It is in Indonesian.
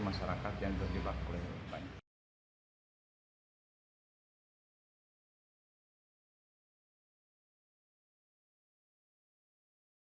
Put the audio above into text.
masyarakat yang terjebak kuliah berbanyak